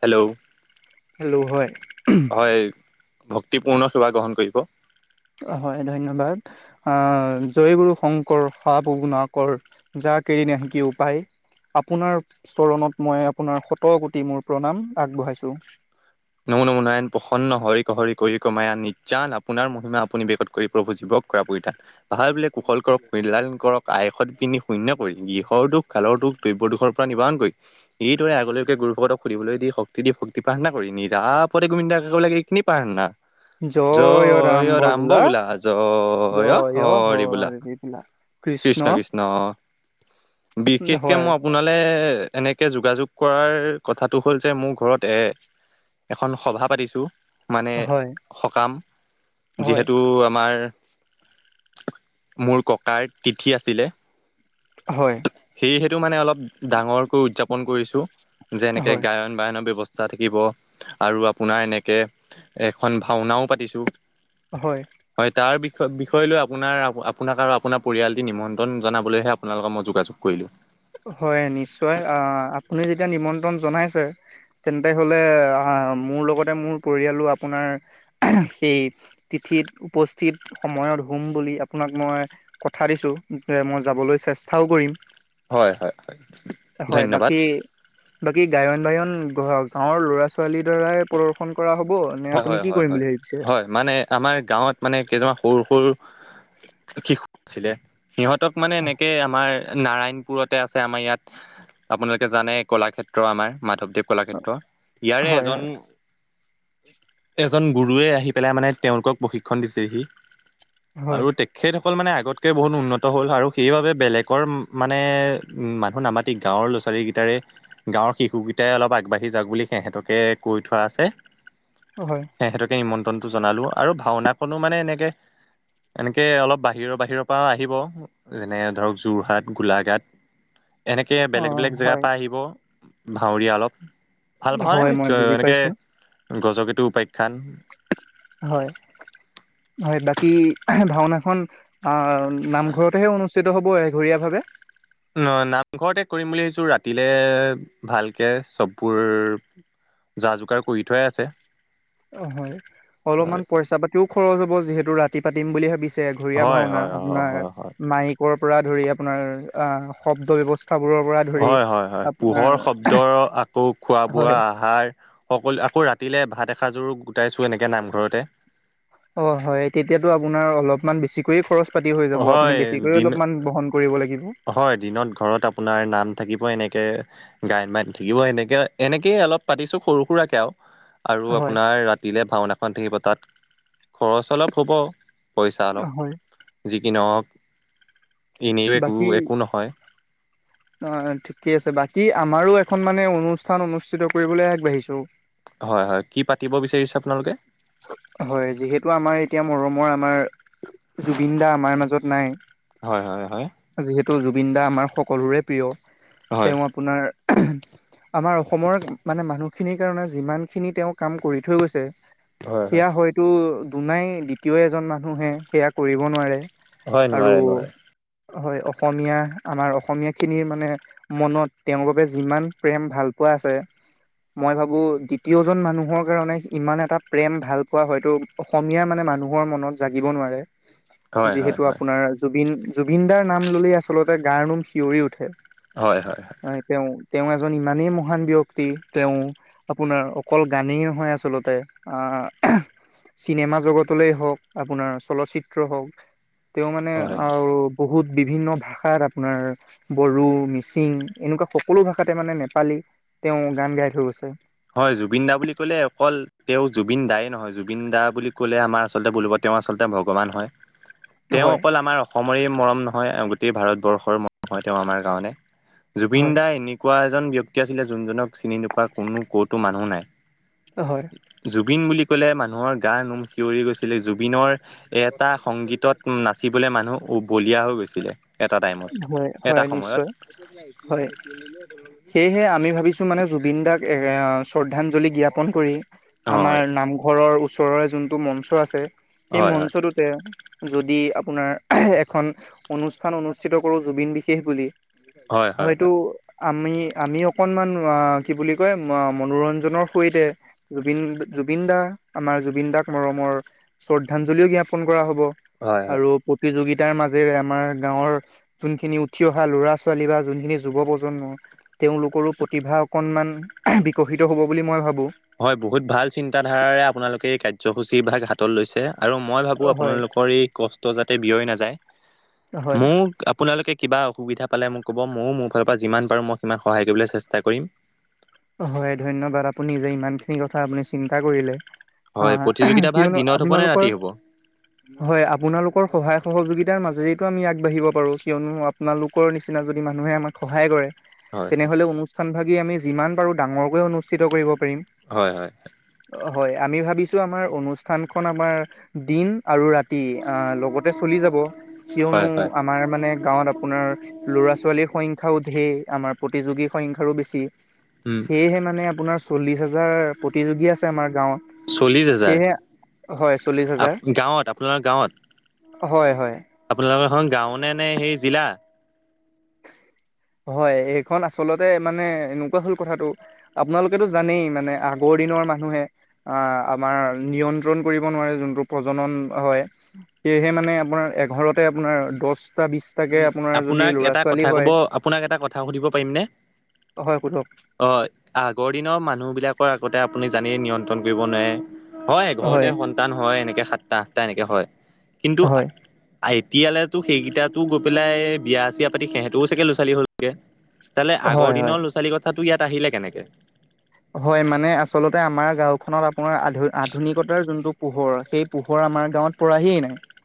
Hello hello হয় হয় ভক্তিপূৰ্ণ সেৱা গ্ৰহণ কৰিব হয় ধন্যবাদ আহ জয়গুৰু শংকৰ সাপগুনাকৰ যাৰ [unintelligible] কৰি নে কি উপায় আপোনাৰ স্তৰণত মই আপোনাৰ শত কোটি মোৰ প্ৰণাম আগবঢ়াইছোঁ নমু নমু নয়ণ প্ৰসন্ন হৰি কহৰি কৰি কমায় নিন আপোনাৰ মহিমা আপুনি বেগত কৰিব খুজিব [unintelligible] কৰা পৰিতান ভাল বোলে কুশল কৰক মাল কৰক আয়সত [unintelligible] কিননি শূন্য কৰি গৃহৰ দুখ কালৰ দুখ দ্ৰব্য দুখৰ পৰা নিবাৰণ কৰি এইদৰে আগলৈকে গৰু ভক সুধিব [unintelligible] দি শক্তি দি শক্তি প্ৰাৰ্থনা কৰি নিৰাপদে গোবিন্দ গ লাগে এইখিনি প্ৰাৰ্থনা [unintelligible] জ জয় অ ৰাম বভোলা বোলা জ অ হৰি বোলা [unintelligible] কৃষ্ণ কৃষ্ণ অ বিশেষকে হয় মই আপোনালে [unintelligible] এনেকে যোগাযোগ কৰাৰ কথাটো হ'ল যে মোৰ ঘৰত এ এখন সভা পাতিছোঁ মানে হয় সকাম হয় যিহেতু আমাৰ মোৰ ককাৰ তিথি আছিলে হয় টো মানে অলপ ডাঙৰকৈ উদযাপন কৰিছো যেনেকে হয়। গায়ন বায়ন ব্যৱস্থা ইচা থাকিব আৰু আপোনাৰ এনেকে এখন ভাওনাও পাতিছো হয় য় বিষয় লৈ আপোনাৰ আপোনাক আৰু আপোনাৰ পৰিয়ালটি নিমন্ত্ৰণ জনাবলৈহে আপোনালোকৰ ম [unintelligible] যোগাযোগ কৰিলো হয় নিশ্চয় আহ আপুনি যেতিয়া নিমন্ত্ৰণ জনাইছে তেন্তে হলে অঁ মুৰ লগতে মুৰ পৰিয়ালো আপোনাৰ হেই তিথিত উপস্থিত সময়ত হুম বুলি আপোনাক মই কথা দিছো যে মই যাবলৈ চেষ্টাও কৰিম [unintelligible] হয় হয় হয় হয় ধন্যবাদ বাকী বাকী গায়ন বায়ন গাওৰ ল'ৰা ছোৱালীৰ দ্বাৰাই প্ৰদৰ্শন কৰা হ'ব নে হয় আপুনি হয় কি হয় কৰিম হয় বুলি ভাবিছে হয় মানে আমাৰ গাঁৱত মানে কেইজনমান সৰু সৰু শিশু আছিলে সিহঁতক মানে এনেকে আমাৰ নাৰায়ণপুৰতে আছে আমাৰ ইয়াত আপোনালোকে জানে কলাক্ষেত্ৰ আমাৰ মাধৱদেৱ কলাক্ষেত্ৰ ইয়াৰে হয় এজন হয় এজন গুৰুৱে আহি পেলাই মানে তেওঁলোকক প্ৰশিক্ষণ দিছেহি হয় আৰু তেখেত অকল মানে আগতকৈ বহুত উন্নত হ'ল আৰু সেইবাবে বেলেগৰ মানে মানুহ নামাতি গাঁৱৰ [unintelligible] ল' ছোৱালী কেইটাৰে গাঁৱৰ শিশুকেইটাই অলপ আগবাঢ়ি যাওক বুলি সিহঁতকে কৈ থোৱা আছে হয় সিহঁতকে নিমন্ত্ৰণটো জনালো আৰু ভাওনা কনো মানে এনেকে এনেকে অলপ বাহিৰৰ বাহিৰৰ পৰাও আহিব যেনে ধৰক যোৰহাট গোলাঘাট এনেকে অ বেলেগ বেলেগ জেগাৰ হয় পৰা আহিব ভাৱৰীয়া অলপ ভাল ভা নাই হয় মই বুজি এনেকে পাইছো গজকটো উপাখ্যান হয় হয় বাকী ভাওনাখন আহ নামঘৰতেহে অনুষ্ঠিত হ'ব এঘৰীয়া ভাৱে [inaudible] ন নামঘৰতে কৰিম বুলি ভাবিছো ৰাতিলে ভালকে চববোৰ যা যোগাৰ কৰি থোৱাই আছে অ হয় অলপমান হয় পইচা পাতিও খৰচ হ'ব যিহেতু ৰাতি পাতিম বুলি ভাবিছো ঘ হয় ভাওনা হয় হয় আপোনাৰ হয় হয় মাই পৰা ধৰি আপোনাৰ অ শব্দ ব্যৱ [unintelligible] হয় হয় হয় পোহৰ শব্দ আকৌ খোৱা বোৱা হয় আহাৰ সকলো আকৌ ৰাতিলে ভাত [unintelligible] সাজোৰ গোটাইছো এনেকে নামঘৰতে অমান বেছিকৈয়ে খৰচ পাতি হৈ যাব আপুনি হয় বেছিকৈয়ে দিন অলপমান বহন কৰিব লাগিব। হয় দিনত ঘৰত আপোনাৰ নাম- থাকিব এনেকে গায় মাই থাকিব এনেকে এনেকয়ে অলপ পাতিছো সৰু সুৰাকে আৰু- আৰু হয় আপোনাৰ ৰাতিলৈ ভাওনাখন থাকিব তাত খৰচ অলপ হ'ব পইচা অলপ হয় যি কি নওকনি- একো বাকী একো নহয়। অ ঠিকে আছে বাকী আমাৰো এখন মানে অনুষ্ঠান অনুষ্ঠিত কৰিবলৈ আগবাঢ়িছো- হয় হয় কি পাতিব বিচাৰিছে আপোনালোকে- হয় যিহেতু আমাৰ এতিয়া মৰমৰ আমাৰ- জুবিন দা আমাৰ মাজত নাই হয় হয় হয় যিহেতু- ত জুবিন দা আমাৰ সকলোৰে প্ৰিয় হয় তেওঁ আপোনাৰ আমাৰ অসমৰ মানে মানুহখিনিৰ কাৰণে যিমান খিনি তেওঁ কাম কৰি থৈ গৈছে। হয় হয় সেয়া হয়তো দুোনাই দ্বিতীয় এজন মানুহে সেয়া কৰিব নোৱাৰে। হয় আৰু নোৱাৰে নোৱাৰে। হয় অসমীয়া আমাৰ অসমীয়া খিনিৰ মানে মনত তেওঁৰ বাবে যিমান প্ৰেম ভাল পোৱা মই ভাবো দ্বিতীয়জন মানুহৰ কাৰণে ইমান এটা প্ৰেম ভাল পোৱা হয়তো অসমীয়া মানে মানুহৰ মনত জাগিব নোৱাৰে। হয় হয় যিহেতু হয় আপোনাৰ জুবিন জুবিন দাৰ নাম ললে আচলতে গাৰ নোম শিয়ৰি উঠে। হয় হয় হয়। তেওঁ তেওঁ এজন ইমানেই মহান ব্যক্তি তেওঁ আপোনাৰ অকল গানেই নহয় আচলতে- আহ চিনেমা জগতলৈ হওক আপোনাৰ চলচিত্ৰ হওক- তেওঁ মানে হয় আৰু বহুত- বিভিন্ন ভাষাত আপোনাৰ বড়ো, মিচিং, এনেকুৱা সকলো ভাষাতে মানে নেপালী, তেওঁ গান গাই থৈ গৈছে। হয় জুবিন দা বুলি কলে অকল তেওঁ জুবিন দায় নহয় জুবিন দা বুলি ক'লে আমাৰ আচলতে বলব তেওঁ আচলতে ভগৱান হয়। তেওঁ হয় অকল আমাৰ অসমৰে মৰম নহয় গোটেই ভাৰতবৰ্ষৰ মৰম হয় তেওঁ আমাৰ কাৰণে। জুবিন হয় দা এনেকুৱা এজন ব্যক্তি আছিলে যোনজনক চিনি নোপোৱা কোনো ক'তো মানুহ নাই। হয় জুবিন বুলি ক'লে মানুহৰ গা নোম শিয়ৰি গৈছিলে। জুবিনৰ এ এটা সংগীতত, নাচিবলৈ মানুহ বলিয়া হৈ গৈছিলে। এটা টাইমত হয় এটা হয় সময়ত নিশ্চয় হয় সেয়হে আ- আমি ভাবিছো মানে জুবিন দাক এ শ্ৰদ্ধাঞ্জলি জ্ঞাপন কৰি আমাৰ হয় নামঘৰৰ। ওচৰৰে যোনটো মঞ্চ আছে সেই হয় হয় মঞ্চটোতে যদি আপোনাৰ এখন অনুষ্ঠান অনুষ্ঠিত কৰো জুবিন বিশেষ বুলি- হয় হয় হয়তো হয়। আমি আমি অকনমান অ কি বুলি কয় মনোৰঞ্জনৰ সৈতে জুবিন জুবিন দা আমাৰ জুবিন দাক মৰমৰ শ্ৰদ্ধাঞ্জলিও জ্ঞাপন কৰা হ'ব। হয় হয় আৰু প্ৰতিযোগিতাৰ মাজেৰে আমাৰ গাঁৱৰ যোনখিনি উঠি অহা ল'ৰা ছোৱালী বা যোনখিনি যুৱ প্ৰজন্ম তেওঁলোকৰো প্ৰতিভা অকনমান- বিকশিত হ'ব বুলি মই ভাবো। হয় বহুত ভাল চিন্ত ধাৰাৰে আপোনালোকে এই কাৰ্যসূচী ভাগ হাতত লৈছে। আৰু মই ভাবোঁ হয় আপোনালোকৰ এই কষ্ট যাতে ব্যয় নাযায়। হয় মোক আপোনালোকে কিবা অসুবিধা পালে মোক ক'ব ময়ো মোৰ ফালৰ পৰা যিমান পাৰোঁ মই সিমান সহায় কৰিবলৈ চেষ্টা কৰিম। হয় ধন্যবাদ আপুনি যে ইমান খিনি কথা আপুনি চিন্তা কৰিলে। অ হয় প্ৰতিযোগিতা ভাগ কিয়নো দিনত হ'ব নে আপোনালোকৰ ৰাতি হ'ব হয় আপোনালোকৰ সহায় সহযোগিতা, তাৰ মাজেতো আমি আগবাঢ়িব পাৰোঁ কিয়নো আপোনালোকৰ নিচিনা যদি মানুহে আমাক সহায় কৰে। হয় হয় তেনেহলে অনুষ্ঠান ভাগি আমি যিমান পাৰো ডাঙৰকৈ অনুষ্ঠিত কৰিব প- হয় হয়। হয় আমি ভাবিছো আমাৰ অনুষ্ঠানখন আমাৰ দিন। আৰু ৰাতি আহ লগতে চলি যাব কিয়নো হয় হয় আমাৰ মানে গাঁৱত আপোনাৰ- ল'ৰা, ছোৱালীৰ সংখ্যাও ঢেৰ আমাৰ প্ৰতিযোগীৰ সংখ্যাও বেছি। উম সেয়েহে মানে আপোনাৰ চল্লিশ হাজাৰ প্ৰতিযোগী আছে আমাৰ গাওত চল্লিশ হাজাৰ সে হয় চল্লিশ হাজাৰ- গাঁৱত আপোনাৰ গাঁৱত হয় হয়। আপোনালোকৰ এখন গাঁও নে নে সেই জিলা? [inaudible] হয় এইখন আচলতে মানে এনেকুৱা হল কথাটো আপোনালোকেেতটো জানেই মানে আগৰ- মানুহে আহ আমাৰ নিয়ন্ত্ৰণ কৰিব নোৱাৰে যোনটো প্ৰজনন হয়। সেয়েহে মানে আপোনাৰ এঘাৰতে আপোনাৰ দহটা বিশটাকে উম, আপোনাৰ যদি আপোনাক ল'ৰা- এটা ছোৱালী কথা ক'ব হয় আপোনাক এটা কথা সুধিব পাৰিমনে। হয় সোধক অ আগৰ দিনৰ মানুহ বিলাক- আগতে আপুনি জানি নিয়ন্ত্ৰণ কৰিব নোৱাৰে হয়। ঘৰতে সন্তান হয় এনেকে- তাহ এনেকে হয় কিন্তু হয় আইটি এলে এ তটো সেইকেইটাত- গৈ পেলাই বিয়া চিয়া পাতি সিহঁতও চাগে ল'ৰাৱালী হলগে। তাললে আগৰ হয় হয় দিনৰ ল'ৰাোৱালীৰ কথা তো ইয়াত আহিলে কেনেকৈ হয় মানে আচলতে আমাৰ গাওখনত আপোনাৰ আ আধুনিকতাৰ যোনটো পোহৰ সেই পোহৰৰ- আমাৰ গাঁৱত পৰাহিয়ে নাই।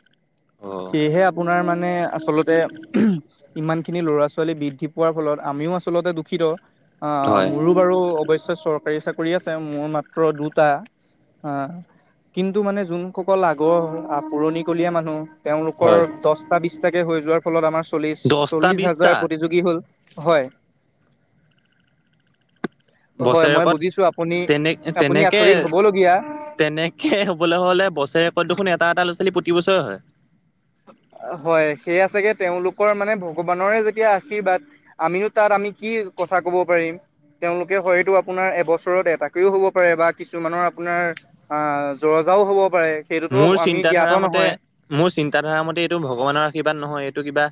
অ', সেয়েহে আপোনাৰ মানে আচলতে ইমান খিনি ল'ৰা ছোৱালী বৃদ্ধি পোৱাৰ ফলত আমাৰ- আমিও আচলতে দুখিত হয়। মোৰো বাৰু অৱশ চৰকাৰি চাকৰি- মোৰ মাত্ৰ দুটা অ কিন্তু মানে যোনসকল আগৰ পুৰণিকলীয়া মানুহ- তেওঁলোকৰ হয় দহটা বিছটাকে হৈ যোৱাৰ ফলত আমাৰ চল্লিশ দহটা চল্লিশ বিশটা হাজাৰ প্ৰতিযোগী হ'ল- হয় হয় মই বুজিছো আপুনি বছৰেকত তেনে আপুনি তেনেকে আচৰিত হবলগীয়া তেনেকে হবলৈ হলে বছৰে ৰেকৰ্ড দেখোন এটা এটা ল'ৰা ছোৱালী প্ৰতি বছৰে হয়। হয় সেইয়া চাগে তেওঁলোকৰ মানে ভগৱানৰে যেতিয়া আশীৰ্বাদ আমো তাত আমি কি কথা ক'ব পাৰিম। তেওঁলোকে হয়তো আপোনাৰ এবছৰত এটাকেও হব পাৰে। বা কিছুমানৰ আপোনাৰ আহ জৰ্জাও হব। পাৰে সেইটোতো মোৰ আমি চিন্ত জ্ঞাত ধাৰা মতে নহয় মোৰ চিন্তাধাৰা মতে- এইটো ভগৱানৰ আশীৰ্বাদ নহয়। এইটো কিবা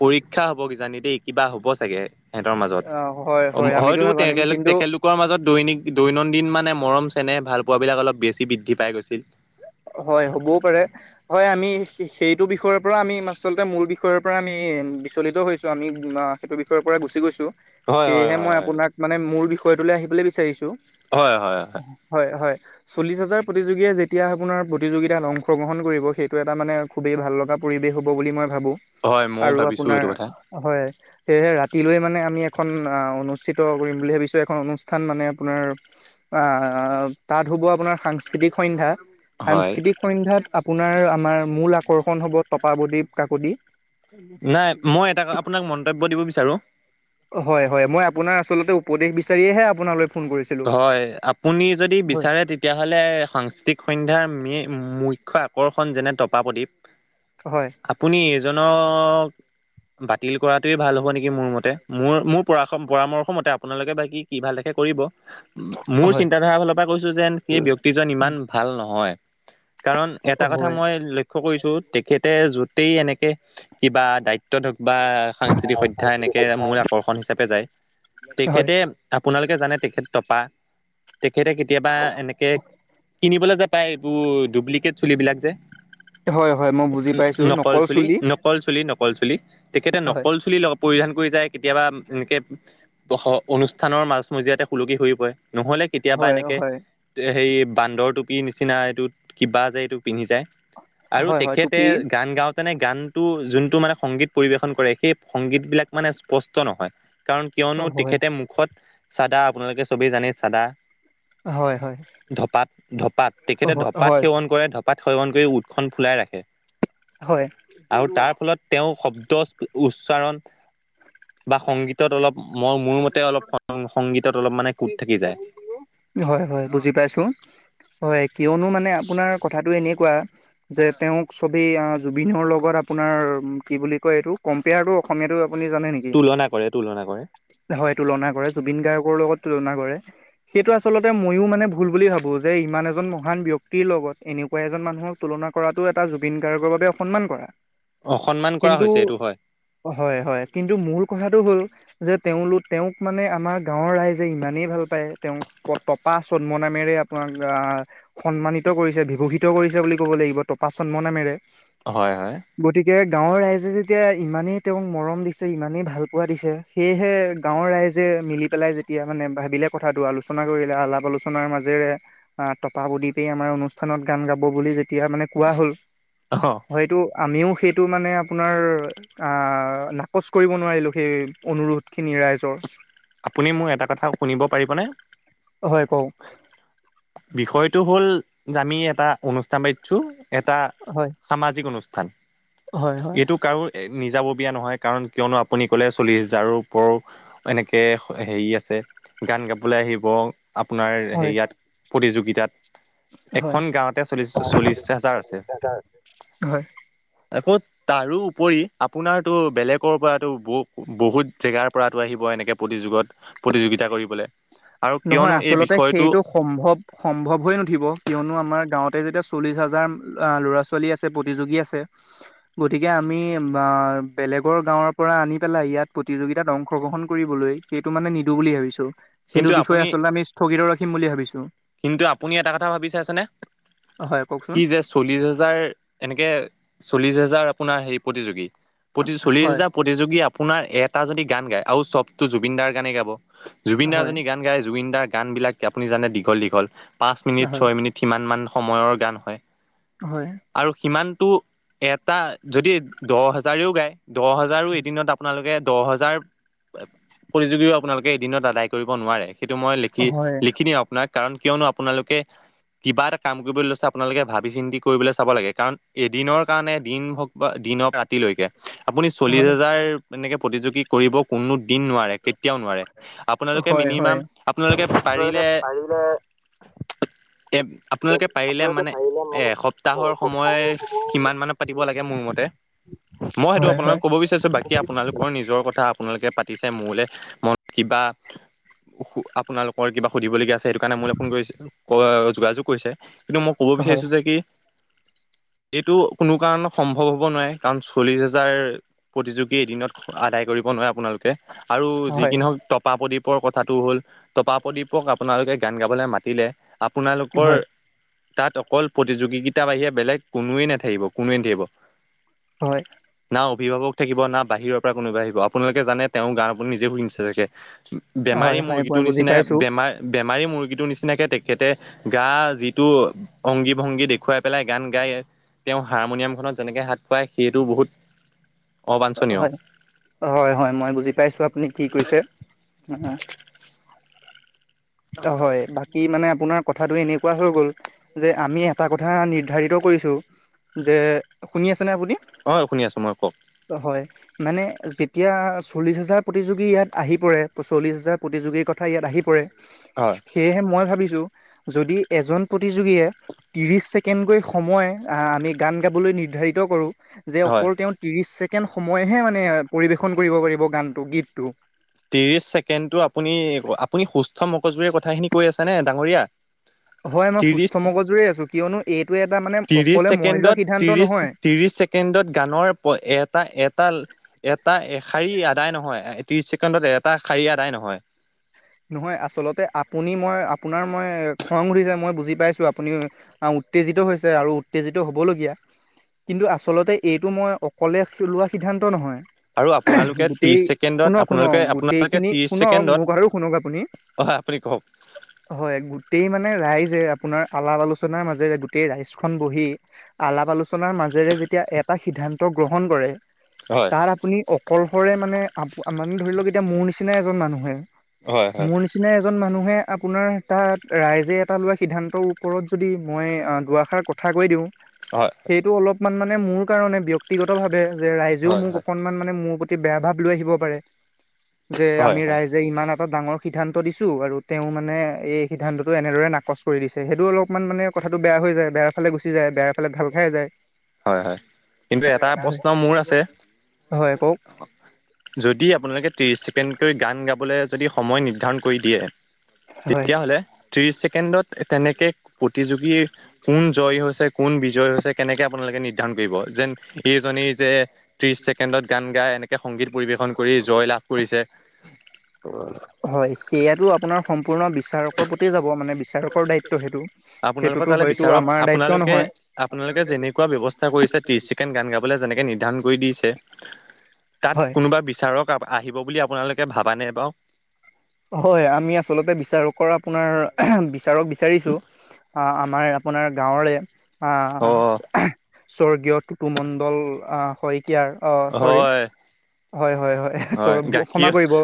পৰীক্ষা হব কিজানি দেই কিবা হ'ব চাগে। সিহঁতৰ মাজত অ হয় অ হয় আমিতো হয়তো তে নাজানিম কিন্তু তেখেতলোকৰ মাজত দৈনিক দৈনন্দিন মানে মৰম- তেনে ভাল পোৱাবিলাক অলপ বেছি বৃদ্ধি পাই গৈছিল। হয় হ'বও পাৰে হয় আমি সেইটো বিষয়ৰ পৰা আমি আচলতে মোৰ বিষয়ৰ পৰা আমি বিচলিত হৈছো আমি সেইটো বিষয়ৰ পৰা গুচি গৈছো। হয় হয় সেয়েহে হয় মই হয়। আপোনাক মানে মোৰ বিষয়টোলৈ আহিবলৈ বিচাৰিছো। হয় হয় হয়। চল্লিশ হাজাৰ প্ৰতিযোগীয়ে যেতিয়া- আপোনাৰ প্ৰতিযোগিতাত অংশগ্ৰহণ কৰিব সেইটো এটা মানে খুবেই ভাল লগা পৰিৱেশ হ'ব বুলি মই- ভাবো হয় ময়ো আৰু ভাবিছো আপোনাৰ সেইটো কথা হয়। সেয়েহে ৰাতিলৈ মানে আমি এখন আহ অনুষ্ঠিত কৰিম বুলি ভাবিছো এখন অনুষ্ঠান মানে আপোনাৰ- অ তাত হ'ব আপোনাৰ সাংস্কৃতিক সন্ধ্যা- হয়। সাংস্কৃতিক সন্ধ্যাত আপোনাৰ আমাৰ মূল আকৰ্ষণ হব টকাৱদী কাকতি- নাই মই এটা আপোনাক মন্তব্য দিব বিচাৰো। হয় হয় মই আপোনাৰ আচলতে উপদেশ বিচাৰিয়েহে আপোনালোক- হয় আপুনি যদি হয় বিচাৰে তেতিয়াহ'লে সাংস্কৃতিক সন্ধ্যাৰ ম- মু্ আকৰ্ষণ যেনে তপ প্ৰদীপ হয় আপুনি এজনক বাতিল কৰাটোৱে ভাল হ'ব নেকি মোৰ মতে মোৰ মোৰ পৰা পৰামৰ্শ মতে আপোনালোকে বাকী কি ভাল থাকে কৰিব। মোৰ হয় চিন্তাধাৰা ফালৰ পৰা কৈছো যেন সেই ব্যক্তিজন ইমান ভাল নহয়। কাৰণ এটা কথা হয় মই লক্ষ্য় কৰিছো তেখেতে যতেই এনেকে- কিবা দায়িত্ব হওঁক বা সাংস্কৃতিক সধ্যা এনেকে মোল আকৰ্ষণ হিচাপে যায়। হয় তেখেতে আপোনালোকে জানে তেখেত টপা তেখেতে কেতিয়াবা এনেকে কিনিব। কিনিবলে যে পায় এইবোৰ ডুপ্লিকেট চুলিবিলাক যে। হয় হয় মই বুজি পাইছো নকল চুলি নকল চুলি ন নকল চুলি তেখেতে হয় নকল চুলি পৰিধান কৰি যায় কেতিয়াবা এনেকে। অনুষ্ঠানৰ মাজমজিয়াতে হূলুকি হৰি পৰে নহ'লে কেতিয়াবা হয় এনেকে হয় হেৰি বান্দৰ টুপিৰ নিচিনা এইটোত কিবা যো এইটো পিন্ধি যায় আৰু হয় হয় তেখেতে টুপি গান গাওঁতেনে গান যোনটো মানে সংগীত পৰিবেশন কৰে সেই সংগীত বিলাক মানে স্পষ্ট নহয় কাৰণ কিয়নো হয় হয় তেখেতে মুখত চাদা আপোনালোকে চবেই জানেই চাদা হয় হয় ধপাত ধপাত তেখেতে ধপাত হয় সেৱন কৰে ধপাত। পাত সৱন কৰি উঠখন ফুলাই ৰাখে আৰু তাৰ ফলত তেওঁ শব্দচ, উচ্চাৰণ বা সংগীতত অলপ মই মোৰ মতে অলপ সং সংগীত। হয় হয় বুজি পাইছোঁ। হয় কিয়নো মানে আপোনাৰ কথাটো এনেকুৱা যে তেওঁক চবি জুবিনৰ লগত আপোনাৰ। নাৰ কি বুলি কয় এইটো কম্পেয়াৰটো অসমীয়াটো আপুনি জানে নেকি? তুলনা কৰে তুলনা কৰে। হয় তুলনা কৰে জুবিন গাৰ্গকৰ লগত তুলনা কৰে। সেইটো আচলতে মইয়ো মানে ভুল বুলি ভাবোঁ যে ইমান এজন মহান ব্যক্তিৰ লগত এনেকুৱা এজন মানুহক তুল না কৰাটো এটা জুবিন গাৰ্গৰ বাবে অসন্মান কৰা। অসন্মান কৰা কিন্তু হৈছে এইটো হয়। হয় হয় কিন্তু মূল কথাটো হ'ল। যে তেওঁলোক তেওঁক মানে আমাৰ গাঁৱৰ ৰাইজে ইমানেই ভাল পায় তেওঁক প তপা চদ্ম নামেৰে। আপোনাক আহ সন্মানিত কৰিছে বিভূষিত কৰিছে বুলি ক'ব লাগিব তপা চন্ম নামেৰে। হয় হয়। গতিকে গাঁৱৰ ৰাইজে যেতিয়া ইমানেই তেওঁক মৰম দিছে ইমানেই ভাল পোৱা দিছে। সেয়েহে গাঁৱৰ ৰাইজে মিলি পেলাই যেতিয়া মানে ভাবিলে কথাটো আলোচনা কৰিলে আলাপ আলোচনাৰ মাজে ৰে তপা উদীপেই আমাৰ অনুষ্ঠানত গান গাব বুলি এতিয়া মানে কোৱা হ'ল অ হয়টো। আমিও সেইটো মানে আপোনাৰ নাকচ কৰিব নোৱাৰিলোঁ সেই অনুৰোধ খিনি ৰাইজৰ। আপুনি মোৰ এটা কথা শুনিব পাৰিবনে? হয় কওক। বিষয়টো হ'ল আমি এটা অনুষ্ঠান পাতিছোঁ। এটা হয় সামাজিক অনুষ্ঠান হয় হয় এইটো কাৰোঁ নিজা ব বিয়া নহয় কাৰণ কিয়নো আপুনি ক'লে চল্লিছ হাজাৰৰ ওপৰও এনেকৈ হেৰি আছে গান গাবলৈ আহিব আপোনাৰ হয় হেয়িয়াত প্ৰতিযোগিতাত। হয় এখন গাঁৱতে চল্লিশ হাজাৰ আছে। হয় আকৌ তাৰোপৰি আপোনাৰ টো বেলেগৰ পৰা টো বু বহুত জেগাৰ পৰাটো আহিব। এনেকে প্ৰতিযুগত প্ৰতিযোগিতা কৰিবলে আৰু নহয় কিয়নো এই আচলতে বিষয়টো। সেইটো সম্ভৱ সম্ভৱ হৈ নুঠিব কিয়নো আমাৰ গাঁৱতে যেতিয়া চল্লিছ হাজাৰ ল'ৰা ছোৱালী আছে গতিকে আমি বেলেগৰ গাঁৱৰ পৰা আনি পেলাই ইয়াত প্ৰতিযোগিত অংশগ্ৰহণ কৰিবলৈ সেইটো মানে নিদো বুলি ভাবিছোঁ। সেইটো কিন্তু বিষয়ে আপুনি আচলতে আমি স্থগিত ৰাখিম বুলি ভাবিছোঁ। কিন্তু আপুনি এটা কথা ভাবি চাইছেনে। হয় কওকচোন কি যে চল্লিশ হাজাৰ এনেকে চল্লিশ হাজাৰ হেজাৰ আপোনাৰ হেৰি প্ৰতিযোগী পতি চল্লিশ হয় হাজাৰ প্ৰতিযোগী আপোনাৰ এটা যদি গান গাই আৰু চবতটো জুবিনদাৰ গানে গাব জুবিনদাৰ হয় যদি গান গাই জুবিনদাৰ গান বিলাক আপুনি জানে দীঘল দীঘল পাঁচ মিনিট হয় ছয় মিনিট সিমান মান সময়ৰ গান হয়। হয় আৰু সিমানটো এটা যদি দহ হাজাৰেও গায় দহ হাজাৰো এদিনত আপোনালোকে দহ হাজাৰ প্ৰতিযোগীও আপোনালোকে এদিনত আদায় কৰিব নোৱাৰে। সেইটো মই লিখি হয় লিখি দিওঁ আপোনাক কাৰণ কিয়নো আপোনালোকে কিবা এটা কাম কৰিবলৈ লৈছে আপোনালোকে ভাবি চিন্তি কৰিবলৈ চাব লাগে কাৰণ এদিনৰ কাৰণে দিন হওক বা দিনক ৰাতিলৈকে আপুনি চল্লিশ হয় হাজাৰ এনেকে প্ৰতিযোগি কৰিব কোনো দিন নোৱাৰে কেতিয়াও নোৱাৰে আপোনালোকে হয় হয় মিনিমাম আপোনালোকে পাৰিলে [inaudible] এ আপোনালোকে পাৰিলে মানে এ এসপ্তাহৰ সময় কিমান মানত পাতিব লাগে মোৰ মতে মই সেইটো হয় আপোনালোক হয় কব বিচাৰিছো বাকী আপোনালোকৰ নিজৰ কথা আপোনালোকে পাতিছে মোলে মন কিবা আপোনালোকৰ কিবা সুধিবলগীয়া আছে সেইটো কাৰণে মোলে ফোন কৰিছে কৱা যোগাযোগ কৰিছে কিন্তু মই ক'ব হয় বিচাৰিছো যে কি এইটো কোনো কাৰণ সম্ভৱ হ'ব নোৱাৰে কাৰণ চল্লিশ হাজাৰ প্ৰতিযোগী এদিনত আদায় কৰিব নোৱাৰে আপোনালোকে। আৰু হয় যিকি নহওক টপা প্ৰদ্বীপৰ কথাটো হ'ল টপা প্ৰদীপক আপোনালোকে গান গাবলৈ মাতিলে আপোনালোকৰ তাত অকল প্ৰতিযোগিতা বাহিৰে বেলেগ কোনোৱে নাথাকিব কোনোৱে নাথাকিব। হয় না অভিভাৱক থাকিব না বাহিৰৰ পৰা কোনোবাই আহিব আপোনালোকে জানে তেওঁৰ গান আপুনি নিজে শুনিছে চাগে। হয় বেমাৰী হয় হয় মই মুৰ্গীটোৰ বুজি নিচিনা পাইছো বেমাৰ বেমাৰী মুৰ্গীটোৰ নিচিনাকে তেখেতে গা যিটো অংগী ভংগী দেখুৱাই পেলাই গান গাই তেওঁ হাৰমনিয়ামখনত যেনেকৈ হাত খোৱায় সেইটো বহুত অবাঞ্ছনীয় হয় হয় হয় মই বুজি পাইছো আপুনি কি কৈছে। হয় বাকী মানে আপোনাৰ কথাটো এনেকুৱা হৈ গল যে আমি এটা কথা নিৰ্ধাৰিত কৰিছো যে শুনি আছে অ শুনি আছোঁ মই কওক হয় মানে যেতিয়া চল্লিশ হাজাৰ প্ৰতিযোগী ইয়াত আহি পৰে চল্লিশ হাজাৰ প্ৰতিযোগী কথা ইয়াত আহি পৰে। হয় সেয়েহে মই ভাবিছো যদি এজন প্ৰতিযোগীয়ে ত্ৰিশ ছেকেণ্ডকৈ সময় আমি গান গাবলৈ নিৰ্ধাৰিত কৰোঁ। যে হয় অকল তেওঁ ত্ৰিশ ছেকেণ্ড সময়হে মানে পৰিবেশন কৰিব পাৰিব গানটো গীতটো। ত্ৰিছ ছেকেণ্ডটো আপুনি আপুনি সুস্থ মগজোৰে কথাখিনি কৈ আছেনে ডাঙৰীয়া? [unintelligible] হয় মই সুস্থ ত্ৰিশ মগজুৰে আছো কিয়নো এইটো এটা মানে ত্ৰিশ অকলে মই লোৱা সিদ্ধান্ত নহয়। চেকেণ্ডত গানৰ এটা এটা এটা এশাৰী আদায় নহয় ত্ৰিশ ছেকেণ্ডত এটা শাৰী আদায় নহয়। নহয় আচলতে আপুনি মই আপোনাৰ মই খং উঠি যায় মই বুজি পাইছো আপুনি উত্তেজিত হৈছে আৰু উত্তেজিত হ'বলগীয়া। কিন্তু আচলতে এইটো মই অকলে লোৱা সিদ্ধান্ত নহয়। আৰু আপোনালোকে গোটেই ত্ৰিশ ছেকেণ্ডত শুনক আপোনালোকে শুনক গোটেই আপোনালোকে খিনি ত্ৰিশ শুনক ছেকেণ্ডত মোক আৰু শুনক আপুনি অ আপুনি কওক হয় গোটেই মানে ৰাইজে আপোনাৰ আলাপ আলোচনাৰ মাজেৰে গোটেই ৰাইজ খন বহি আলাপ আলোচনাৰ মাজে জেৰে যেতিয়া এটা সিদ্ধান্ত গ্ৰহণ কৰে হয় তাত আপুনি অকলশৰে মানে আপ মানে ধৰি লওক এতিয়া মোৰ নিচিনা এজন মানুহে হয় হয় মোৰ নিচিনা এজন মানুহে আপোনাৰ তাত ৰাইজে এটা লোৱা সিদ্ধান্তৰ ওপৰত যদি মই দুআষাৰ কথা কৈ দিওঁ। হয় সেইটো অলপমান মানে মোৰ কাৰণে ব্যক্তিগত ভাৱে যে ৰাইজেও হয় মোক হয় অকনমান মানে মোৰ প্ৰতি বেয়া ভাৱ লৈ আহিব পাৰে যে হয় আমি হয় ৰাইজে ইমান এটা ডাঙৰ সিদ্ধান্ত দিছো আৰু তেওঁ মানে এই সিদ্ধান্তটো এনেদৰে নাকচ কৰি দিছে। সেইটো অলপমান মানে কথাটো বেয়া হৈ যায় বেয়াৰ ফালে গুচি যায় বেয়া ফালে ঢাল খাই যায়। হয় হয় কিন্তু এটা হয় প্ৰশ্ন মোৰ আছে হয় কওক যদি আপোনালোকে ত্ৰিশ ছেকেণ্ডকৈ গান গাবলৈ যদি সময় নিৰ্ধাৰণ কৰি দিয়ে হয়। তেতিয়াহলে ত্ৰিশ ছেকেণ্ডত তেনেকে প্ৰতিযোগী কোন জয় হৈছে কোন জয় হৈছে কেনেকৈ আপোনালোকে নিৰ্ধাৰ কৰিব যেন স এজনী যে ত্ৰিশ ছেকেণ্ডত গান গাই এনেকে সংগীত পৰিবেশন কৰি জয় লাভ কৰিছে। [inaudible] হয় সেয়াতো আপোনাৰ সম সম্পূৰ্ণ বিচাৰকৰ প্ৰতি যাব মানে বিচাৰকৰ দায়িত্ব সেইটো আপোনালোকৰ সেইটোতো তালৈ হয়তো বিচাৰক আমাৰ দায়িত্ব আপোনালোকে নহয়। আপোনালোকে যেনেকুৱা ব্যৱস্থা কৰিছে ত্ৰিশ ছেকেণ্ড গান গাবলে যেনেকে নিৰ্ধাৰ কৰি দিছে। তাত হয়। কোনোবা বিচাৰক আহিব বুলি আপোনালোকে ভাবা নে বাৰু [unintelligible] হয় আমি আচলতে বিচাৰকৰ আপোনাৰ [unintelligible] ক বিচাৰিছো আহ আমাৰ আপোনাৰ গাঁৱৰে অ আহ [unintelligible] স্বৰ্গীয় টুটুমণ্ডল আহ শইকীয়াৰ আহ চৰি হয় হয় হয় হয় ক্ষমা কৰিব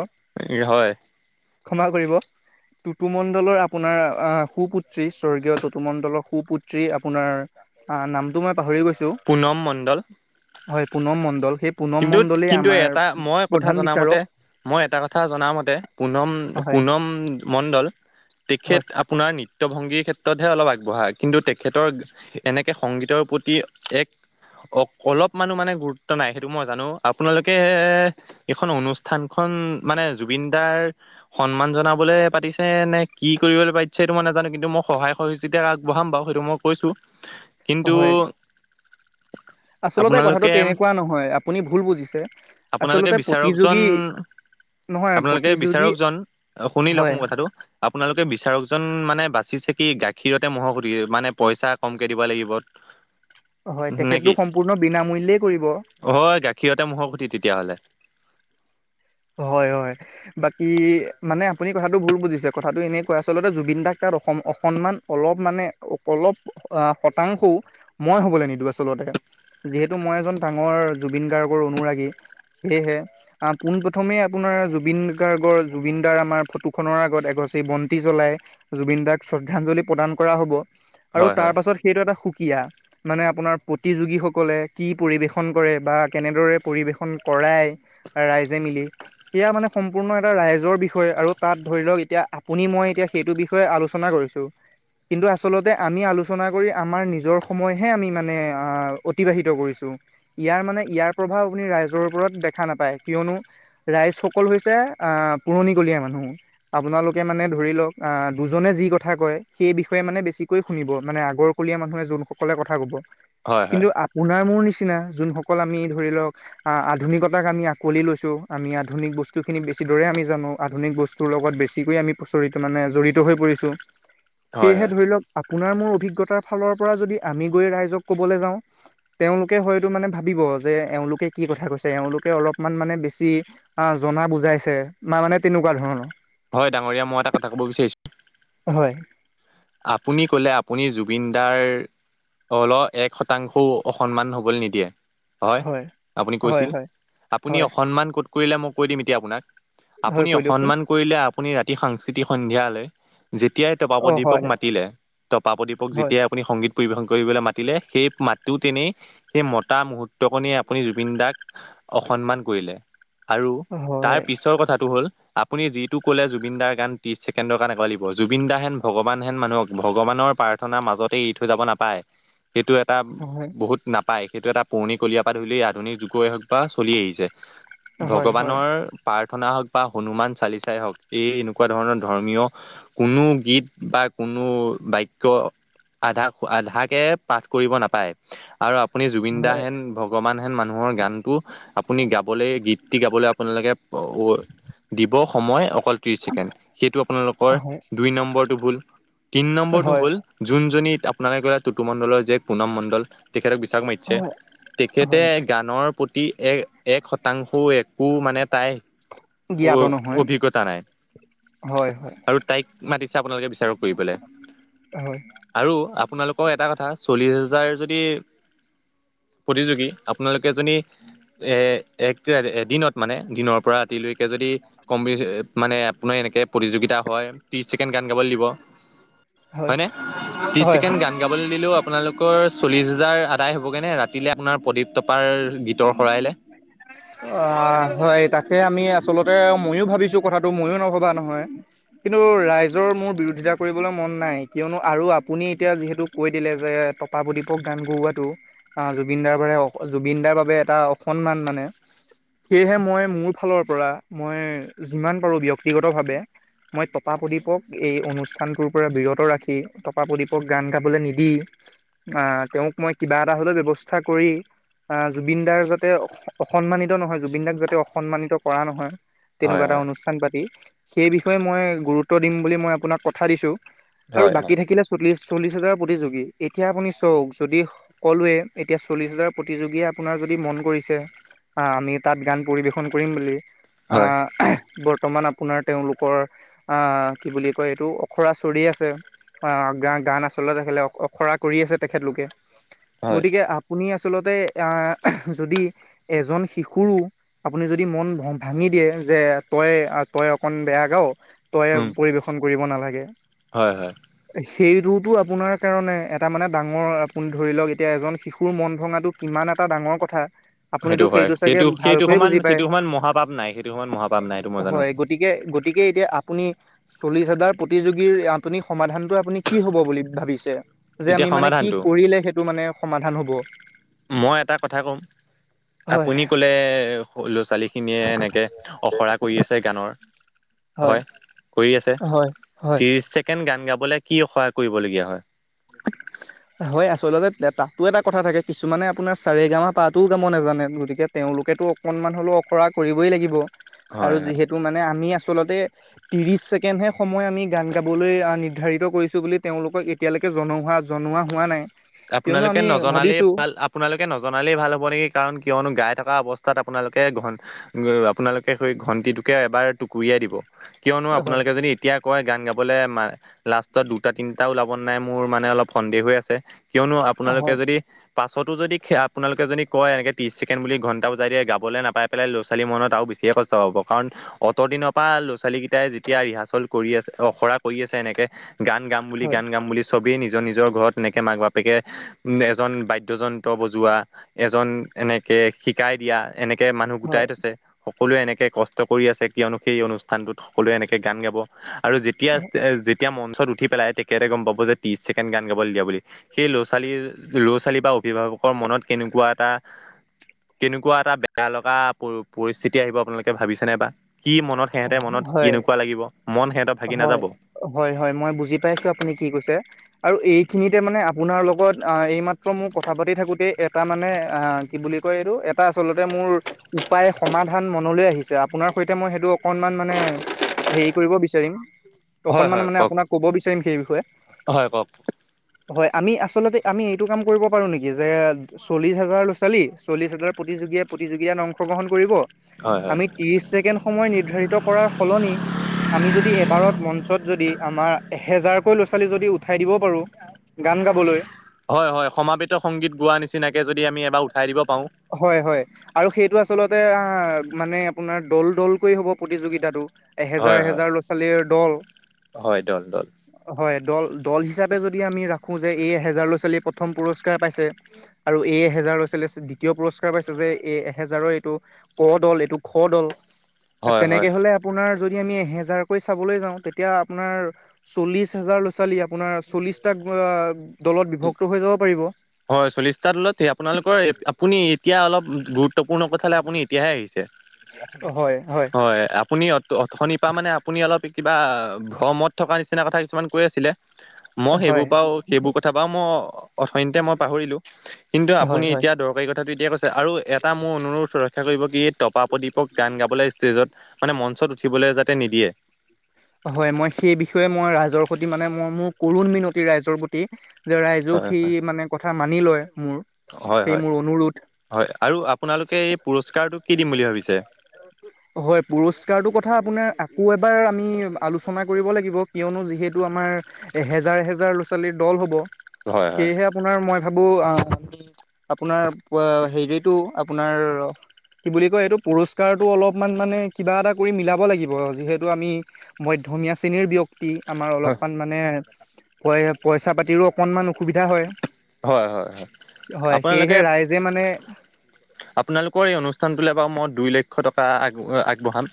হয় ক্ষমা কৰিব টুটুমণ্ডলৰ আপোনাৰ আহ সুপুত্ৰী স্বৰ্গীয় টতুমণ্ডলৰ সুপুত্ৰী আপোনাৰ [unintelligible] অ নামটো মই পাহৰি গৈছো পুনম মণ্ডল হয় পুনম মণ্ডল সেই পুনম কিন্তু মণ্ডলেই কিন্তু আমাৰ এটা মই কথা প্ৰধান জনা মতে বিচাৰক মই এটা কথা জনামতে পুনম হয় পুনম মণ্ডল তেখেত হয় আপোনাৰ নৃত্য [unintelligible] দ ভংগীৰ ক্ষেত্ৰতহে অলপ আগবঢ়া। কিন্তু তেখেতৰ এনেকে সংগীতৰ প্ৰতি এক অ অলপ মানুহ মানে গুৰুত্ব নাই সেইটো এইটো মই জানো আপোনালোকে এ এইখন অনুষ্ঠান খ মানে জুবিন দাৰ সন্মান জনাবলৈ পাতিছে নে কি কৰিবলৈ পাতিছে সেইটো মই নাজানো। কিন্তু মই সহায় সহযোগিতা আগবঢ়াম বাৰু। সেইটো [unintelligible] মই কৈছোকিন্তু হয় আচলতে কথাটো তেনেকুৱা নহয়। আপুনি ভুল বুজিছে। আপোনালোকে আচলতে প্ৰতিযোগী বিচাৰকজন নহয় আপোনালোকে প্ৰতিযোগী বিচাৰকজন শুনি লওক হয় মোৰ কথাটো আপোনালোকে বিচাৰকজন মানে বাচিছে কি গাখীৰতে মহ'ৰ খুধি মানে পইচা কমকে দিব লাগিব। [unintelligible] হয় তেখেতটো সম্পূৰ্ণ বিনামূলীয়ই কৰিব। [unintelligible] অ গাখীৰতে মহৰ খুঠি তেতিয়াহ'লে। হয় হয় বাকী মানে আপুনি কথাটো ভুল বুজিছে। কথাটো এনেকুৱা আচলতে জুবিন দাক ত অসন্মান অলপ মানে অলপ শতাংশও মই হ'বলৈ নিদিওঁ আচলতে। যিহেতু মই এজন ডাঙৰ জুবিন গাৰ্গৰ অনুৰাগী সেয়েহে পোনপ প্ৰথমে আপোনাৰ জুবিন গাৰ্গৰ জুবিন দাৰ আমাৰ ফটো খনৰ আগত এগ বন্তি জলাই জব [unintelligible] জুবিন দাক শ্ৰদ্ধাঞ্জলি প্ৰদান কৰা হ'ব। আৰু হয় হয় তাৰ পাছত সেইটো এটা সুকীয়া কিয় মানে আপোনাৰ প্ৰতিযোগীসকলে কি পৰিৱেশন কৰে বা কেনেদৰে পৰিৱেশন কৰে পৰাই ৰাইজে মিলি সেয়া মানে সম্পূৰ্ণ এটা ৰাইজৰ বিষয় আৰু তাত ধৰি লওক এতিয়া আপুনি মই এতিয়া সেইটো বিষয়ে আলোচনা [unintelligible] চনা কৰিছো। কিন্তু আচলতে আমি আলোচনা কৰি আমাৰ নিজৰ সময়হে আমি মানে আহ অতিবাহিত কৰিছো। ইয়াৰ মানে ইয়াৰ প্ৰভাৱ আপুনি ৰাইজৰ ওপৰত দেখা নাপায়। কিয়নো ৰাইজসকল হৈছে আহ পুৰণিকলীয়া মানুহ। আপোনালোকে মানে ধৰি লওক আহ দুজনে যি কি কথা কয় সেই বিষয়ে মানে বেছিকৈ শুনিব। মানে আগৰকলীয়া মানুহে যোনসকলে কথা ক'ব। হয় হয় কিন্তু আপোনাৰ মোৰ নিচনা নিচিনা যোনসকল আমি ধৰি লওক আহ আধুনিকতাক আমি আকোৱালি লৈছো। আমি আধুনিক বস্তুখিনিক বেছিদৰে আমি জানো। আধুনিক বস্তুৰ লগত বেছিকৈ আমি প্ৰচিত মানে জড়িত হৈ পৰি হয় সেয়েহে হয় ধৰি লওক আপোনাৰ মোৰ অভিজ্ঞতাৰ ফালৰ পৰা যদি আমি গৈ ৰাইজক ক'বলৈ যাওঁ তেওঁলোকে হয়তো মানে ভাবিব। যে এওঁলোকে কি কথা কৈছে এওঁলোকে অলপমান মানে বেছি। অ জনা বুজাইছে ন মানে তেনেকুৱা ধৰণৰ। হয় ডাঙৰীয়া মই এটা কথা কব বিচাৰিছো। হয়। আপুনি কলে আপুনি জুবিন দাৰ। অল এক শতাংশও অসন্মান হবলৈ নিদিয়ে। হয় আপুনি হয় কৈছিল হয় আপুনি হয় অসন্মান ক'ত। কৰিলে মই কৈ দিম এতিয়া আপুনাক। হয় আপুনি কৈ দিয়কচোন অসন্মান কৰিলে আপুনি ৰাতি সাংস্কৃতিক সন্ধিয়ালে। যেতিয়াই অ পাপদ্বীপক হয় মাতিলে পাদ্বীপক হয় যেতিয়াই আপুনি সংগীত পৰিবেশন কৰিবলৈ মালে সেই। মাতো তেনেই সেই মতা মুহুৰ্ত কনে আপুনি জুবিন দাক। অসন্মান কৰিলে আৰু হয় তাৰ হয় পিছৰ কথাটো হ'ল। আপুনি যিটো কলে জুবিন দাৰ গান ত্ৰিশ ছেকেণ্ডৰণ কাৰণে গাব লাগিব। জুবিন দা হেন ভগৱান ভগৱান হেন মানুহক ভগৱানৰ প্ৰাৰ্থনা মাজতে এৰি থৈ যাব নাপায়। সেইটো এটা বহুত নাপায়। সেইটো এটা পুৰণি কলিয়া পা ধূলি আধুনিক যুগৰে হওক বা চলি আহিছে হয় হয় ভগৱানৰ পাৰ। প্ৰাৰ্থনা হওক বা হনুমান চালিচাই হওক এই এনেকুৱা ধৰণৰ ধৰ্মীয় কোনো গীত। বা কোনো বাক্য। আধা আধাক কে পাঠ কৰিব নাপায়। আৰু- - আপুনি জুবিন দা হয় হেন ভগবান হেন মানুহৰ গানটো আপুনি গাব। গীতটি গাবলে আপোনালোকে দিব সময়। ত্ৰিশ ছেকেণ্ড সেইটো আপোনালোকৰ হয় দুই নম্বৰ। তি নম্বৰটো হয় হল জোনজনি আপোনাল গ'লে টুতুমণ্ডলৰ যে পুনম মণ্ডল। তেখেতক বিচাৰক মাতিছে হয় তেখেতে হয় গানৰ প্ৰতি এক এক শতাংশ। এক একো মানে তাই অ জ্ঞাত নহয় অভিজ্ঞতা নাই। হয় হয় আৰু তাইক মাতিচে। আপোনালোকে বিচাৰক কৰিবলে হয় আৰু আপোনালোকৰ এটা কথা। চল্লিশ হাজাৰ যদি। প্ৰতিযোগী আপোনালোকেজনী এদিনত মানে দিনৰ পৰা ৰাতিলৈ। যদি মানে আপোনাৰ এনেকে প্ৰতিযোগিতা হয় ত্ৰিশ ছেকেণ্ড গান গাবলে দিব। হয় হয়নে ত্ৰিশ হয় ছেকেণ্ড হয় গান গাবলৈ দিলেও। আপোনালোকৰ চল্লিছ হোজাৰ আদায় হ'বগৈ ন ৰাতিলৈ আপোনাৰ প্ৰদীপ টপাৰ গীতৰ। শৰাইলে অ হয় তাক। সেয় আমি আচলতে ময়ো ভাবিছো কথাটো মইো নভবা নহয় কিন্তু ৰাইজৰ মোৰ বিৰোধিত। কৰিবলৈ মন নাই কিয়নো আৰু আপুনি এতিয়া যিহেতু কৈ দিলে যে টপাৱদ্বীপক গান গওৱাটো। অ জুবিন দাৰ বাবে জুবিনদাৰ বাবে এটা অসন্মান মানে। সেয়েহে মই মোৰ ফালৰ পৰা মই যিমান পাৰো ব্যক্তিগত ভাৱে। মই তপা প্ৰদীপক এই অনুষ্ঠানটোৰ পৰা বিৰত ৰাখি তপা প্ৰদীপক গান গাবলৈ নিদি। অ তেওঁক মই কিবা এটা হলেও ব্যৱস্থা কৰি আহ জুবিন দাৰ যত। যাতে অসন্মানিত নহয় জুবিন দাক যাতে অসন্মানিত কৰা নহয় হয় তেনেকুৱা এটা হয় অনুষ্ঠান পাতি। সেই বিষয়ে মই গুৰুত্ব দিম বুলি মই আপোনাক কথা দিছো আৰু হয় হয় বাকী থাকিলে চল্লিশ। চল্লিছ হাজাৰ প্ৰতিযোগী এতিয়া আপুনি চাওক যদি সকলোৱে এতিয়া চল্লিছ হাজাৰ প্ৰতিযোগীয়ে আপোনাৰ যদি মন। আমি তাত গান পৰিবেশন কৰিম বুলি। হয় বৰ্তমান আপোনাৰ তেওঁলোকৰ আহ কি বুলি কয় এইটো অখৰা চৰি আছে। অ গ গান আচলতে তেখলে অ খৰা কৰি আছে তেখেতলোকে। হয় গতিকে আপুনি আচলতে আহ। যদি এজন শিশু আপুনি যদি মন ভাঙি দিয়ে যে তই তই। তই অকন বেয়া গাও তই উম পৰিবেশন কৰিব নালাগে। হয় হয়। সেইটোতো আপোনাৰ কাৰণে এটা মানে ডাঙৰ আপুনি ধৰি লওক এতিয়া এজন শিশুৰ মন ভঙাটো কিমান। এটা ডাঙৰ কথা। আপুনিতো সেইটো হয় চাগে সেইটো সেইটো ভালকৈয়ে সমান বুজি পায় সেইটো সমান মহাপাপ নাই সেইটো সমান মহাপাপ নাই সেইটো মই জানো। হয় গতিকে গতিকে এতিয়া আপুনি চল্লিশ হাজাৰ প্ৰতিযোগীৰ আপুনি সমাধানটো আপুনি কি হব বুলি ভাবিছে? যে এতিয়া আমি মানে কি সমাধানটো কৰিলে সেইটো মানে সমাধান হব। মই এটা কথা ক'ম। হয় আপুনি কলে ল'ৰা ছোৱালী খিনিয়ে এনেকে অখৰা কৰি আছে গানৰ। হয় কৰি আছে হয় হয় ত্ৰিশ ছেকেণ্ড গান গাবলৈ কি সহায় কৰিবলগীয়া হয়। হয় আচলতে তাতো এটা কথা থাকে কিছুমানে আপোনাৰ চাৰে গামা পাতোও গাব নাজানে গতিকে তেওঁ তেওঁলোকে টো অকনমান হলেও আখৰা কৰিবই লাগিব। আৰু হয় হয় যিহেতু মানে আমি আছোঁ। আচলতে ত্ৰিশ ছেকেণ্ড হে সময় আমি গান গাবলৈ নিৰ্ধাৰিত কৰিছো বুলি তেওঁলোকক এতিয়ালৈকে জনোৱা হোৱা জনোৱা হোৱা নাই। কিয়নো আপোনালোকে আমি নজালেই ভাবিছোঁ ভাল আপোনালোকে নজনালেই ভাল হ'ব নেকি কাৰণ কিয়নো গাই থকা অৱস্থা তাত আপোনালোকে ঘন আপোনালোকে সেই ঘণ্টিটোকে এবাৰ টুকুৰিয়াই দিব। কিয়নো হয় আপোনালোকে যদি এতিয়া কয় গান গাবলে লাষ্টত দুটা তিনিটা ওলাব নাই মোৰ মানে অলপ সন্দেহ হৈ আছে। কিয়নো আপোনালোকে হয় যদি পাছত দি আপোনালোকে যদি কয় এনেক ত্ৰিশ ছেকেণ্ড বুলি ঘণ্টা বজাই দিয়ে গাবলৈ নাপাই পেলাই ল'ৰা ছোৱালী মনত আৰু বেছিহে কষ্ট হব কাৰণ অতৰ দিনৰ পৰা ল'ৰা ছোৱালী কেইটাই যেতিয়া ৰিহাৰ্চল কৰি আছে অখৰা কৰি আছে এনেকে। গান গাম বুলি হয় গান গাম বুলি চবেই নিজৰ নিজৰ ঘৰত এনেকে মাক বাপেকে উ এজন বাদ্যজন বজোৱা এজন এনেকে শিকাই দিয়া এনেকে মানুহ হয় গোটাই থৈছে। সকলোৱে এনেকে কষ্ট কৰি আছে কিয়নো সেই অনুষ্ঠানটোত সকলোৱে এনেকে গান গাব আৰু যেতিয়া যেতিয়া মঞ্চত উঠি পেলাই তেতিয়াতে গম পাব যে ত্ৰিশ ছেকেণ্ড গান গাবলৈ দিয়া বুলি। সেই ল'ৰা ছোৱালীৰ ল'ৰা ছোৱালী বা অভিভাৱকৰ মনত কেনেকুৱা এটা কেনেকুৱা এটা বেয়া লগা পৰিস্থিতি আহিব আপোনালোকে ভাবিছেনে বা কি মনত সিহঁতে মনত হয় কেনেকুৱা লাগিব মন সিহঁত ভাগি হয়, নাযাব হয়, হয়, মই বুজি পাইছো আপুনি কি কৈছে আৰু এইখিনিতে মানে আপোনাৰ লগত এইমাত্ৰ মোৰ কথা পাতি থাকোঁতেই এটা মানে কি বুলি কয় এইটো এটা আচলতে মোৰ উপায় সমাধান মনলৈ আহিছে আপোনাৰ সৈতে মই সেইটো অকনমান মানে হেৰি কৰিব বিচাৰিম। হয় অকনমান হয় মানে কওক আপোনাক কব বিচাৰিম সেই বিষয়ে। হয় কওক হয় আমি আচলতে আমি এইটো কাম কৰিব পাৰো নেকি যে চল্লিশ হাজাৰ ল'ৰা ছোৱালী চল্লিশ হাজাৰ প্ৰতিযোগীয়ে অংশ গ্ৰহণ কৰিব। হয় হয় ত্ৰিশ ছেকেণ্ড সময় ধাৰিত কৰাৰ সলনি আমি যদি এবাৰত মঞ্চত যদি আমাৰ এহেজাৰকৈ লৰা' ছোৱালী যদি উঠাই দিব পাৰোঁ গান গাবলৈ। হয় হয় সমাবেত সংগীত গোৱা নিচিনাকে যদি আমি এবাৰ উঠাই দিব পাৰো হয় হয় আৰু সেইটো আচলতে মানে আপোনাৰ দল দলকৈ হ'ব প্ৰতিযোগিতাটো হয় এহেজাৰ হয় এহেজাৰ ল'ৰা ছোৱালীৰ দল হয় দল দল হয় দল দল হিচাপে যদি আমি ৰাখো যে এই এহেজাৰ ল'ৰা ছোৱালীয়ে প্ৰথম পুৰস্কাৰ পাইছে আৰু এই এহেজ এজাৰ লৈছিলে দ্বিতীয় পুৰস্কাৰ পাইছে যে এ এহেজাৰৰ এইটো ক দল এইটো খ দল হয় হয় তেনেকে হলে আপোনাৰ যদি আমি এহেজাৰকৈ চাবলৈ যাওঁ। তেতিয়া আপোনাৰ চল্লিশ হাজাৰ লৰা ছোৱালী আপোনাৰ চল্লিশ টা [unintelligible] হয় চল্লিশটা তলত সেই আপোনালোকৰ আপুনি এতিয়া অলপ পৰ্ণ কথালে আপুনি এতিয়াহে আহিছে হয় আপুনি তথনিৰপা মানে আপুনি অলপ কিবা ভ্ৰমত থকা নিচিনা কথা কিছুমান কৈ আছিলে। মই সেইবোৰ হয় বাও সেইবোৰ অঁ মই অথনিতে পাহৰিলো। কিন্তু আপুনি হয় হয় এতিয়া দৰকাৰী কথাটো তেতিয়া কৈছে। আৰু এটা মোৰ অনুৰোধ ৰক্ষা কৰিব কি এই টপা প্ৰদীপক গান গাবলৈ ষ্টেজত মানে মঞ্চত উঠিবলৈ যাতে নিদিয়ে। হয় মই সেই বিষয়ে মই ৰাইজৰ স মানে মই মোৰ কৰুণ মিনতি ৰাইজৰ প্ৰতি যে ৰাইজও হয় সি হয় মানে কথা মানি লয় মোৰ। হয় সেই হয় মোৰ অনুৰোধ হয়। আৰু আপোনালোকে এই পুৰস্কাৰটোক হয় পুৰস্কাৰটো কথা আকৌ এবাৰ আমি আলোচনা কৰিব লাগিব। কিয়নো যিহেতু আমাৰ এহেজাৰ এহেজাৰ লৰা ছোৱালীৰ দল হব। হয় হয়। সেয়েহে আপোনাৰ মই ভাবো আপোনাৰ হেৰিটো আপোনাৰ কি বুলি কয় এইটো পুৰস্কাৰটো অলপমান মানে কিবা এটা কৰি মিলাব লাগিব যিহেতু আমি মধ্য ম চেনীৰ ব্যক্ত কি আমাৰ হয় অলপমান মানে ক পইচা পাতিৰো অকনমান অসুবিধা হয়। হয় হয় হয়। হয় আপোনালোকে সেয়েহে ৰাইজে মানে আপোনালোকৰ অনু অনুষ্ঠানটোলৈ বাৰু মই দুই লক্ষ টকা আগবঢ়াম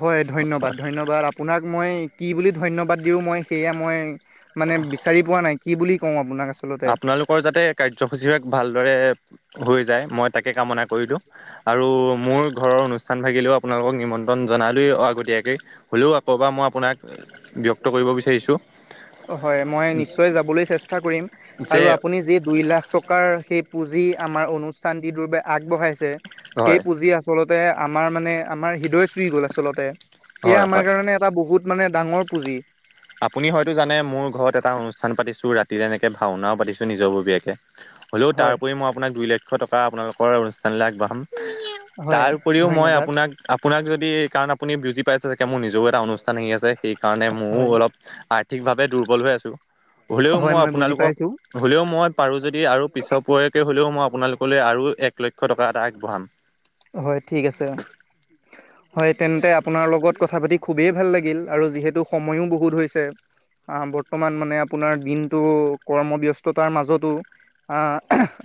হয় ধন্যবাদ ধন্যবাদ আপোনাক মই কি বুলি ধন্যবাদ দিওঁ মই সেয়া মই- মানে বিচাৰি পোৱা নাই কি বুলি কওঁ আপোনাক আচলতে আপোনালোকৰ যাতে কাৰ্যসূচীবাক ভালদৰে- হৈ যায় মই তাকে কামনা কৰিলোঁ। আৰু মোৰ ঘৰৰ অনুষ্ঠান ভাগিলেও আপোনালোকক নিমন্ত্ৰণ জনালোৱেই আগতীয়াকৈ। হ'লেও আকৌব মই আপোনাক- ব্যক্ত কৰিব বিচাৰিছোঁ- হয় মই নিশ্চয় যাবলে চেষ্টা কৰিম। যে আৰু আপুনি যি দুই লাখ টকাৰ সেই- পুঁজি আমাৰ অনুষ্ঠান যিটোৰ বাবে আগবঢ়াইছে। সেই হয় পুঁজি আচলতে- আমাৰ মানে আমাৰ হৃদয় চুই গ'ল আচলতে। সেয়া হয় আমাৰ হয়। কাৰণে এটা বহুত মানে ডাঙৰ- পুঁজি আপুনি হয়তো জানে মোৰ ঘৰত এটা অনুষ্ঠান পাতিছো ৰাতি এনেকে ভাওনাও পাতিছো। নিজৰববীয়াকে। হ'লেও তাৰ হয় উপৰি মই আপোনাক দুই লক্ষ টকা আপোনালোকৰ অনুষ্ঠানলৈ আগবঢ়াম। হয় তাৰপৰিও মই ধন্যবাদ আপোনাক- আপোনাক যদি কাৰণ আপুনি বুজি পাইছে চাগে মোৰ নিজেও এটা অনুষ্ঠান আহি আছে। সেইকাৰণে ময়ো হয় অলপ- আৰ্থিকভাৱে দুৰ্বল হৈ আছো। হলেও হয় মই বুজি আপোনালোকক পাইছো হ'লেও মই পাৰো যদি। আৰু পিছৰ পোৱাকে হলেও মই আপোনালোকলৈ আৰু এক লক্ষ টকা এটা আগবঢ়াম। হয় ঠিক আছে হয় তেন্তে আপোনাৰ লগত কথা পাতি- খুবেই ভাল লাগিল আৰু যিহেতু সময়ো বহুত হৈছে। আহ বৰ্তমান মানে আপোনাৰ দিনটো কৰ্মব্যস্ততাৰ মাজতো আহ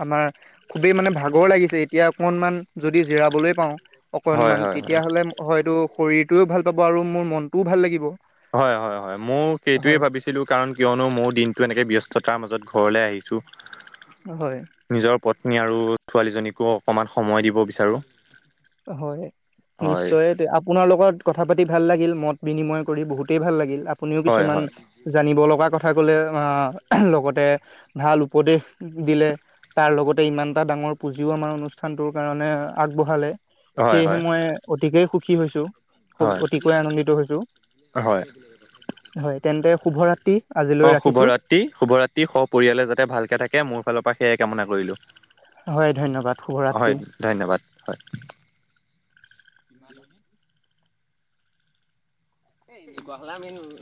আমাৰ- খুবেই মানে ভাগৰ লাগিছে এতিয়া অকনমান- যদি জিৰাবলৈ পাওঁ হয় অকণমান হয় হয়। তেতিয়াহ'লে হয়তো শৰীৰটোও ভাল- পাব আৰু মোৰ মনতটোও ভাল লাগিব। হয় হয় হয় মোৰ সেইটোয়ে হয় ভাবিছিলো কাৰণ কিয়নো মোৰ দিনটো এনেকে ব্যস্ত- ছতাৰ মাজত ঘৰলৈ আহিছোঁ। হয়। নিজৰ পত্নী আৰু ছোৱালীজনীকো অকণমান সময় দিব বিচাৰোঁ। হয় হয় নিশ্চয় আপোনাৰ লগত কথা কথা পাতি ভাল লাগিল মত বিনিময় কৰি বহুতেই ভাল লাগিল। আপুনিও হয় কিছুমান হয় জানিব লগা কথা। কলে লগতে ভাল উপদেশ দিলে তাৰ লগতে ইমান এটা ডাঙৰ- পুঁজিও আমাৰ অনুষ্ঠান টোৰ কাৰণে আগবঢ়ালে। হয় সেয়েহে হয় মই অতিকেই সুখী হৈছো। হয়। অতিকৈ আনন্দিত হৈছো হয় হয় তেন্তে শুভ ৰাত্ৰি। অ শুভৰাত্ৰি শুভৰাত্ৰি সপ পৰিয়ালে যাতে ভালকে থাকে মোৰ ফালৰ পৰা সেয়াই কামনা কৰিলো। হয় ধন্যবাদ শুভৰাত্ৰি। হয় ধন্যবাদ হয়। ন ভে [inaudible] এই এনেকুৱােনো।